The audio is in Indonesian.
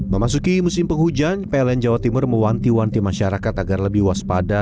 memasuki musim penghujan pln jawa timur mewanti wanti masyarakat agar lebih waspada